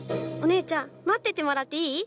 お姉ちゃん待っててもらっていい？